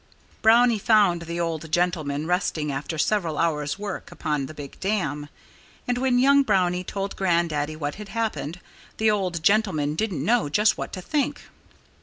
Brownie found the old gentleman resting after several hours' work upon the big dam. And when young Brownie told Grandaddy what had happened, the old gentleman didn't know just what to think.